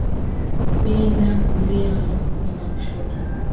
Pinda kulia, halafu pinda kushoto.